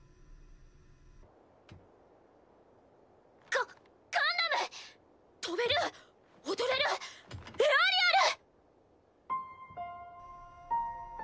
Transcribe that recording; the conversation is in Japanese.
ガガンダム飛べる踊れるエアリアル！